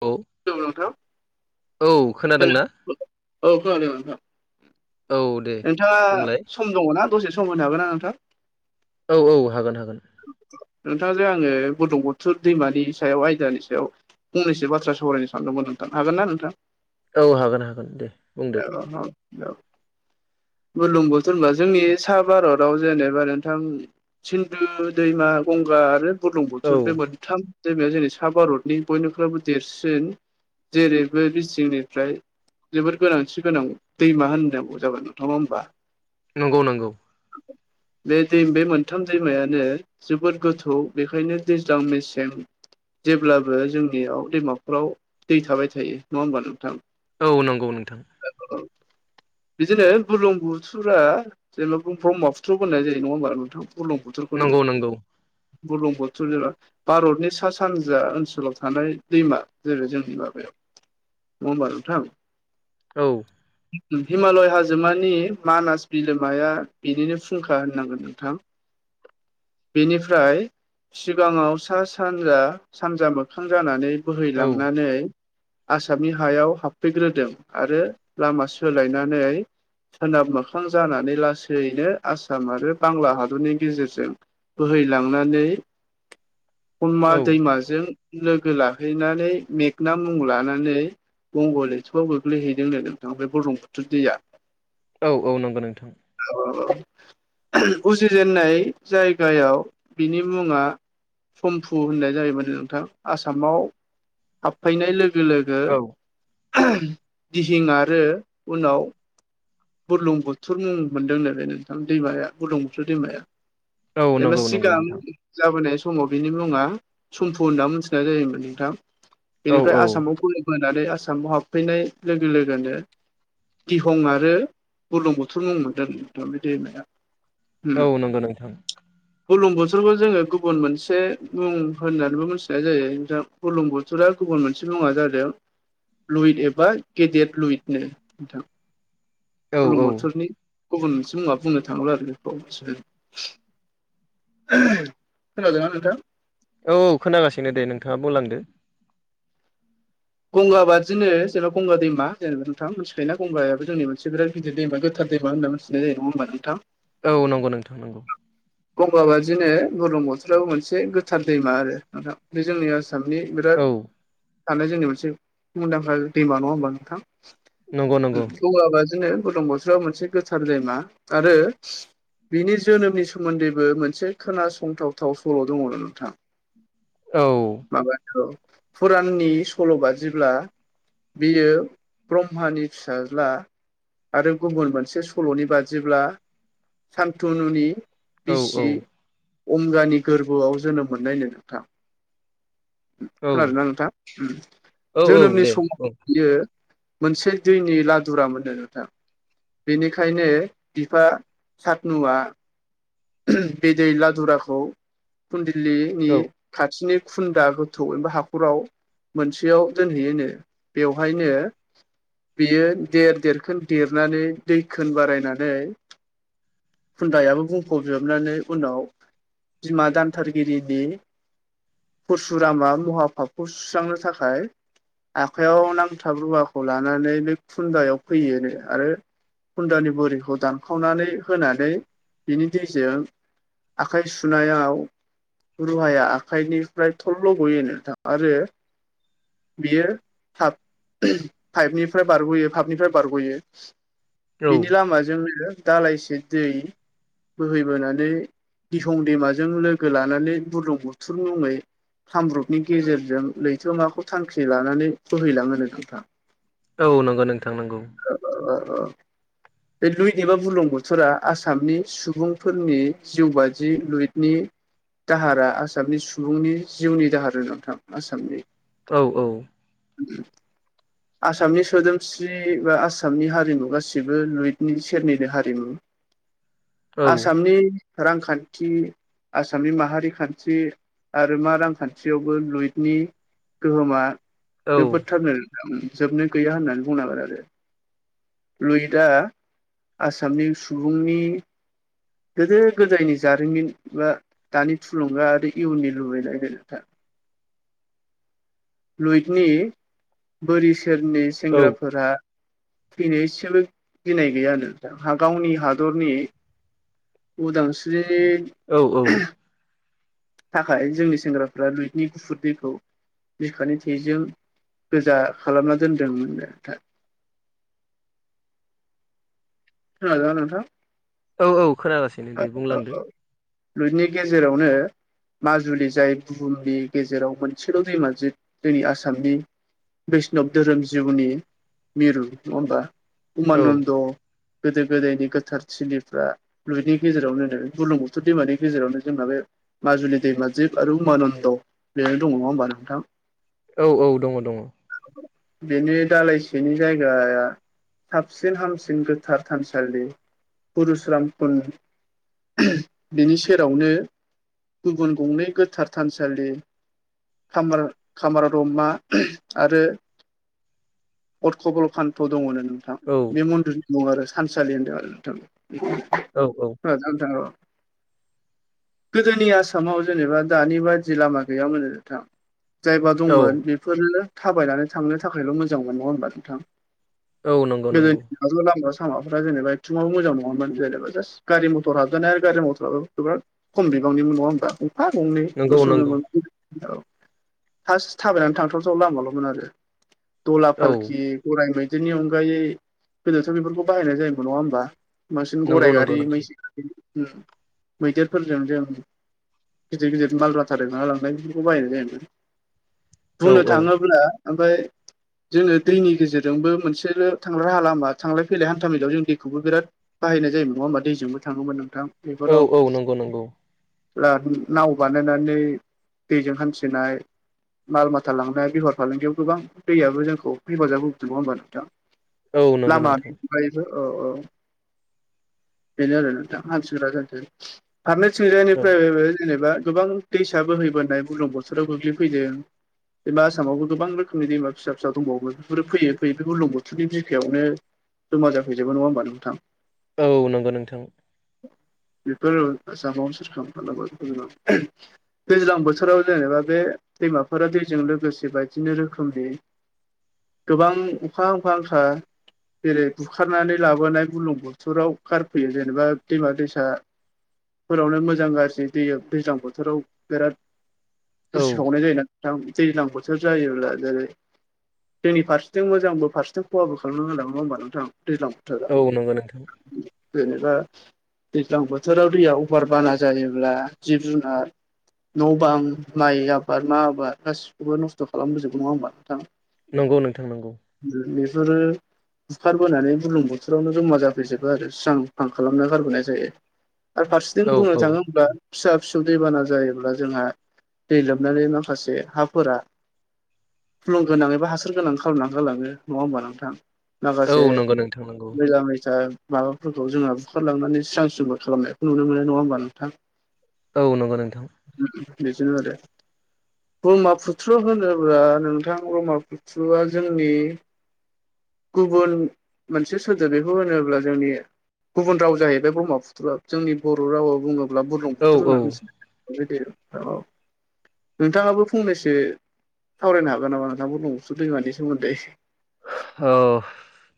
औ हेलौ नोंथां औ हेलौ खोनादोंना औ खोनादों नोंथां औ दे नोंथाङा बुंलाय सम दङ ना दसे सम होनो हागोन ना नोंथां औ औ हागोन हागोन नोंथांजों आङो बुरलुंबुथुर दैमानि सायाव आयदानि सायाव फंनैसो बाथ्रा सावरायनो सानदोंमोन नोंथां हागोन ना नोंथां औ हागोन हागोन दे बुंदो [inaudible] [unintelligible] बुरलुंबुथुर होनबा जोंनि सा भारताव जेनेबा नोंथां सिन्दु दैमा गंगा आरो औ बुरलुंबुथुर बे मोन थाम दैमाया जेरै सा भारतनि बयनिख्रुइबो देरसिन जेरैबो दिष्ट्रिकनिफ्राय जोबोद गोनांथि गोनां दैमा होनना बुं जागोन नङा होमबा नंगौ नंगौ [inaudible] बे दै बे मोनथाम दैमायानो जोबोद गोथौ बेखायनो दैज्लां मेसें जेब्लाबो जोंनियाव दैमाफोराव दै थाबाय थायो नङा होमबा नोंथां औ नंगौ नोंथां बिदिनो बुरलुंबुथुरा जेनेबा ब्रह्मपुत्रबो होननाय जायो नङा होनोमबा नोंथां बुरलुंबुथुरखौनो नंगौ नंगौ बुरलुंबुथुर [unintelligible] भारतनि सा सानजा ओनसोलाव थानाय दैमा जेरै जोंनि माबायाव नङा होनबा नोंथां औ हिमालय हाजो जोमानि मानास बिलोमाया बेनिनो फुंखा होननांगोन नोंथां बेनिफ्राय सिगाङाव सा सानजा सानजा मोखां जानानै औ बोहैलांनानै आसामनि हायाव हाबफैग्रोदों आरो लामा सोलायनानै सोनाब मोखां जानानै लासैनो आसाम आरो बांला हादरनि गेजेरजों बोहैलांनानै अनमा औ दैमा जों लोगो लाहैनानै मेगना मुं लानानै बंग लैथोयाव गोग्लैहैदोंनो नोंथां बे बुरलुंबुथुर दैया औ-औ नंगौ नोंथां उजिजेेननाय जायगायाव बिनि मुङा सम्फु होननाय जाहैबायनो नोंथां आसामाव हाबफैनाय लो लोगो औ लोगो दिहिं आरो उनाव बुरलुंबुथुर मुं मोनदों नो नोंथां दैमाया बुरलुंबुथुर दैमाया औ बेनिफ्राय नंगौ नंगौ नोंथां सिगां जाबोनाय समाव बिनि मुङा सम्फु होनना मिथिनाय जायोमोन नोंथां औ बेनिफ्राय औ आसामाव बोहैबोनानै आसामाव हाबफैनाय लोगो लोगोनो दं आरो बुरलुंबुथुर मुं मोनदों बे दैमाया उम औ नंगौ नोंथां बुरलुंबुथुरखौ जोङो गुबुन मोनसे मुं होननानैबो मिथिनाय जायो बुरलुंबुथुरा गुबुन मोनसे मुङा जादों लुइद एबा गेदेट लुइदनो नोंथां औ औ बुरलुंबुथुरनि गुबुन मोनसे मुङा बुंनो थाङोब्ला आरो बेखौ खोनादों ना नोंथां औ खोनागासिनो दे नोंथाङा बुंलांदो गंगाबा बादिनो जेन गंगा दैमा जेन नोंथाङा मोनथिखायोना गंगायाबो जोंनि मोनसे बिराद गिदिर दैमा गोथार दैमा होनना नङा होमबा नोंथां औ नंगौ नोंथां नंगौ गंगबादिनो बुरलुंबुथुर आबो मोनसे गोथार दैमा आरो नोंथां बे जोंनिया आसामनि बिराद औ थानाय जोंनि मोनसे मुंदांखा दैमा नङा होमबा नोंथां नंगौ नंगौ गंगाबादिनो बुरलुंबुथुर राबो मोनसे गोथार दैमा आरो बिनि जोनोमनि सोमोन्दैबो मोनसे खोनासंथावथाव सल' दङ नोंथाङा औ माबा औ फुराननि सल'बा जेब्ला बियो ब्रह्मानि फिसाज्ला आरो गुबुन मोनसे सल'नि बादिब्ला सान्थुनुनि औ औ बिसि अंगानि गोरबोआव जोनोम मोननायनो नोंथा औ खोनादों ना नोंथां औ औ जोनोमनि दे समाव औ बियो मोनसे दैनि लादुराम मोननो नोंथां बेनिखायनो बिफा सातनुआ बे दै लाधुराखौ फुनदिलिनि औ खाथिनि खुन्दा गोथौ एबा हाखराव मोनसेयाव दोनहैयोनो बेवहायनो बियो देर देरखोन देरनानै दैखोन बारायनानै खुथायाबो बुंफबजोबनानै उनाव बिमा दानथारगिरिनि परसुरामा महा फाबखौ सुस्रांनो थाखाय आखयाव नांथाब रुवाखौ लानानै बे खुन्दायाव फैयो आरो खुन्दानि बुरिखौ दानखावनानै होनानै बिनि दैजों आखाइ सुनायाव रुहाया आखायनिफ्राय थल्ल' गयो नोंथां आरो बियो थाब पाइपनिफ्राय बारग'यो फापनिफ्राय बारग'यो औ बिनि लामाजोंनो दालाइसे दै बोहैबोनानै दिहं दैमाजों लोगो लानानै बुरलुं बुथुर मुंङै खामरुपनि गेजेरजों लैथो माखौ थांखि लानानै बोहैलाङो नो नोंथां। औ नंगौ नोंथां नंगौ। ओ ओ बे लुइ दिबा बुरलुंबुथुर आसामनि सुबुं सुबुंफोरनि जिउ बादि लुइथनि दाहारा आसामनि सुबुंनि जिउनि दाहार होनदों नोंथां आसामनि औ औ [inaudible] आसामनि सोदोमस्रि बा आसामनि हारिमु गासिबो लुइथनि सेरनिनो हारिमु औ आसामनि रांखान्थि आसामनि माहारि खान्थि आरो मा रांखान्थियावबो लुइथनि गोहोमा औ जोबोदथारनो जोबनो गैया होननानै बुंनांगोन आरो। लुइदआ आसामनि सुबुंनि गोदो गोदायनि जारिमिन बा दानि थुलुंगा आरो इयुननि लुबैनाय गो नोंथां। लुइदनि बोरि सेरनि सेंग्राफोरा फैनोसेबो गिनाय गैया आरो गावनि हादरनि उदांस्रि औ औ थाखाय जोंनि सेंग्राफ्रा लुइदनि गुफुर [unintelligible] दैखौ बिखानि थैजों गोजा खालामना दोनदोंमोन [unintelligible] खोनादोंना नोंथां? औ औ खोनागासिनो दे बुंलांदो। लुइतनि गेजेरावनो माजुलि जाय बुहुमनि गेजेराव मोनसेल' दैमा जि दै आसामनि बैष्णब धोरोम जिउनि मिरु नङा ओमबा औ उमान्द गोदो गोदायनि गोथार थिलिफ्रा लुइतनि गेजेरावनो बुरलुंबुथुर दैमानि गेजेरावनो जोंना बे माजुलि दैमाजिब आरो उमान्द बेनो दङ नङा ओमबा नोंथां? औ औ दङ दङ। बेनि दालाइसेनि जायगाया साबसिन हामसिन गो गोथार थानसालि पुरुस्रांरामपुन [unintelligible] बेनि सेरावनो गुबुन गंनै गोथार थानसालि खाम खामार दमा [unintelligible] आरो अर्थ' बल' खानथ' दङनो नोंथां। औ मन्दिर दं आरो सानसालि होनदों आरो नोंथां। औ औ खोनादों ना नोंथां औ। गोदोनि आसामाव जेनेबा दानि बायदि लामा गैयामोन नोंथां। जायबा औ दंमोन बेफोरनो थाबायनानै थांनो थाखायल' मोजां मोन नङा ओमबा नोंथां? औ नंगौ नंगौ गोदोनि लामा सामाफ्रा जेनेबा एथ'बाबो मोजां नङामोन जेनेबा जास्ट गारि मटर हाबजानाय आरो गारि मटराबो बिराद खम बिबांनिमोन नङा ओमबा? गंफा नंगौ गंनैसो नंगौ नुनो [unintelligible] औ फार्स्ट थाबायनानै थांथावथाव लामाल'मोन आरो दला औ फालखि गराय मैदेरनि अनगायै गोदोथ' बेफोरखौ बाहायनाय जायोमोन नङा ओमबा बांसिन नंगौ गराइ नंगौ गारि नोंथां मैसो उम मैदेरफोरजों जों गिदिर गिदिर मालमाथा दैखांना लांनाय बेफोरखौ बायनाय जायोमोन औ बुंनो औ थाङोब्ला ओमफ्राय जोङो दैनि गेजेरजोंबो मोनसेल' थांग्रा राहा लामा थांलाय फैलाय हानथा मेलियाव जों दैखौबो बिराद बाहायनाय जायो नङा ओमबा दैजोंबो थाङोमोन नोंथां? औ बेफोराव औ नंगौ नंगौ बिराद नाव बानायनानै दैजों हान्थिनाय माल माथा लांनाय बेहार फालांगियाव गोबां दैयाबो जोंखौ हेफाजाब होबोदों ओमबा नोंथां औ नंगौ लामा नोंथां फ्रायबो औ औ बेनो आरो नोंथां आथिखाला जादों औ फारनैथिंजायनिफ्राय जेनेबा गोबां दैसा बोहैबोनाय बुरलुंबुथुराव गोग्लैफैदों एबा आसामावबो गोबां रोखोमनि दैमा फिसा फिसा दंबावो बेफोरो फैयै फैयो बेफोर बुरलुंबुथुरनि बिखायावनो जमा जाफैजोबो नङा ओमबा नोंथां औ नंगौ नोंथां बेफोर [unintelligible] दैज्लां बोथोराव जेनेबा बे दैमाफोरा दैजों लोगोसे बायदिनो रोखोमनि गोबां अखा बांखा जेरै बुखारनानै लाबोनाय बुरलुंबुथुराव गारफैयो जेनेबा दैमा दैसा फोरावनो मोजां गाज्रि दै दैज्लां बोथोराव बिराद औ उसिफावनाय जायोना नोंथां दैज्लां जायोब्ला जेरै जोंनि फारसेथिं मोजांबो फारसेथिं खहाबो खालामाना गालाङो नङा होमबा नोंथां दैज्लां बोथोरा औ नंगौ नोंथां बेनिफ्राय दैज्लां बोथोराव दैया अभार बाना जायोब्ला जिब जुनार न' बां माइ आबाद मा आबाद गासिखौबो नस्थ' खालामबोजोबो नङा होमबा नोंथां नंगौ नोंथां नंगौ बेफोरो बुंखारबोनानै बुर्लुंबुथुरावनो जमा जाफैजोबो आरो स्रां फां खालामना गारबोनाय जायो आर फारसेथिं औ बुंनो औ थाङोब्ला फिसा फिसौ दैबाना जायोब्ला जोंहा दै लोमनानै माखासे हाफोरा फुलुं गोनां एबा हासार गोनां खालामना होलाङो नङा होमबा नोंथां औ माखासे नंगौ नोंथां नंगौ मैला मैथा माबाफोरखौ जोंहा बुखारलांनानै स्रां स्रिंबो खालामनायखौ नुनो मोनो नङा होमबा नोंथां औ नंगौ नोंथां उम बेदिजों आरो ब्रह्मपुत्र होनोब्ला नोंथां ब्रह्मपुत्रुआ जोंनि गुबुन मोनसे सोदोब बेखौ होनोब्ला जोंनि गुबुन राव जाहैबाय ब्रह्मपुत्रआ जोंनि बर' रावा बुङोब्ला औ बुरलुंबुथुर औ होननानै बुंसै ओमफ्राय बे औ नोंथाङाबो फंनैसो सावरायनो हागोन नामा नोंथां बुर्लुंबुथुर दैमानि सोमोन्दै औ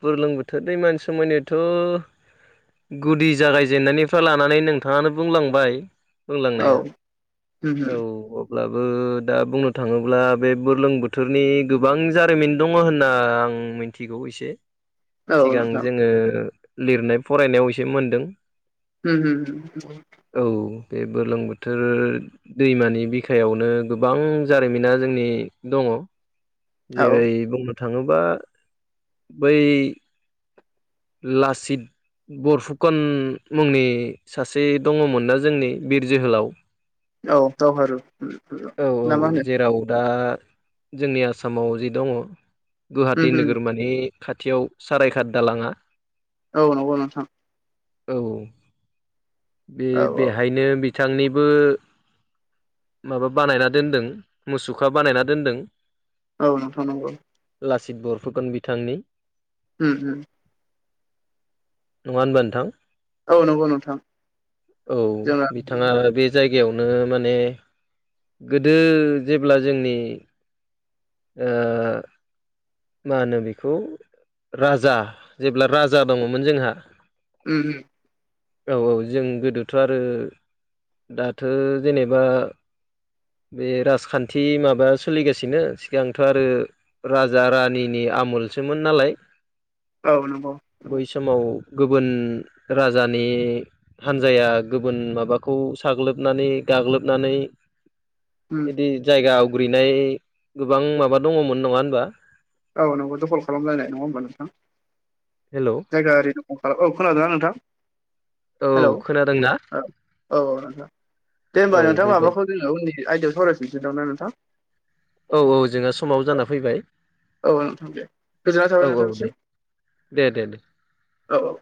बुरलुंबुथुर दैमानि सोमोन्दैथ' गुदि जागायजेननायनिफ्राय लानानै नोंथाङानो बुंलांबाय औ बुंलांनाया औ औ अब्लाबो दा बुंनो थाङोब्ला बे बुर्लुंबुथुरनि गोबां जारिमिन दङ होनना आं आं मिनथिगौ एसे औ सिगां जोङो लिरनाय फरायनायाव एसे मोनदों उम उम उम औ बे बुर्लुंबुथुर दैमानि बिखायावनो गोबां जारिमिना जोंनि दङ औ जेरै बुंनो थाङोबा बै लासित बरपुकन मुंनि सासे दङमोन ना जोंनि बिर जोहोलाव औ दावहारु औ ना मा औ होनो जेराव दा जोंनि आसामाव जि दङ गुवाहाटि उम उम नोगोरमानि खाथियाव सारायघाट दालाङा औ नंगौ नोंथां औ बे औ बेहायनो बिथांनिबो माबा बानायना दोन्दों मुसुखा बानायना दोन्दों औ नोंथां नंगौ लासित बरफुकन बिथांनि उम उम नङा होनबा नोंथां औ नंगौ नोंथां औ जोंना उम बिथाङा बे जायगायावनो माने गोदो जेब्ला जोंनि ओ मा होनो बेखौ राजा जेब्ला राजा दङमोन जोंहा उ उ औ औ जों गोदोथ' आरो दाथ' जेनेबा बे राजखान्थि माबाया सोलिगासिनो सिगांथ' आरो राजा रानिनि आमुलसोमोन नालाय औ नंगौ बै समाव गुबुन राजानि हानजाया गुबुन माबाखौ साग्लोबनानै गाग्लोबनानै उम बिदि जायगा आवग्रिनाय गोबां माबा दङमोन नङा होनबा औ नोंबो दखल खालाम जानाय नङा होमबा नोंथां हेल' जायगा औ खोनादोंना नोंथां हेल' औ खोनादोंना औ नोंथां दे औ होमबा नोंथा बेबायदि माबाखौ जोङो उननि आयदायाव सावरायफिननोसै नामा नोंथां औ औ जोंहा समाव जाना फैबाय औ नोंथां दे गोजोननाय थाबाय औ औ दे नोंथांनिसिम दे दे दे औ औ